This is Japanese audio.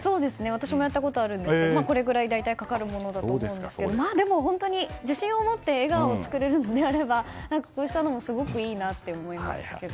私もやったことあるんですけどこれぐらい、大体かかるものだと思いますけど、自信を持って笑顔を作れるのであればすごくいいなと思いましたけど。